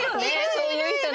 そういう人ね。